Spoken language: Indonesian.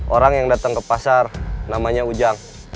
orang yang datang ke pasar namanya ujang